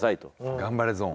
頑張れゾーン。